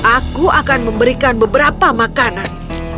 aku akan memberikan beberapa makanan